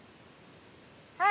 はい。